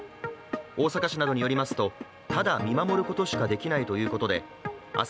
大阪市などによりますとただ見守ることしかできないということで明日